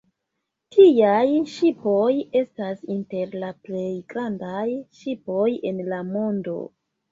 Tiaj ŝipoj estas inter la plej grandaj ŝipoj en la mondo.